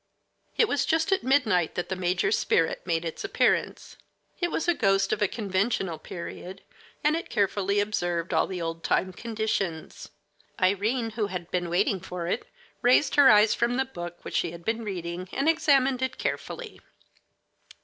It was just at midnight that the major's spirit made its appearance. It was a ghost of a conventional period, and it carefully observed all the old time conditions. Irene, who had been waiting for it, raised her eyes from the book which she had been reading, and examined it carefully.